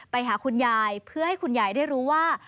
ไปหาคุณยายเพื่อให้คุณยายได้รู้ว่า